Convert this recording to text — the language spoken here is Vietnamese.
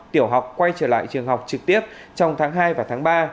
tiểu học quay trở lại trường học trực tiếp trong tháng hai và tháng ba